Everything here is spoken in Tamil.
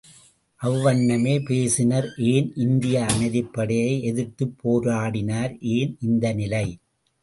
அவ்வண்ணமே பேசினர் ஏன், இந்திய அமைதிப்படையை எதிர்த்துப் போராடினர் ஏன் இந்த நிலை?